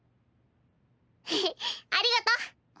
へへっありがとう。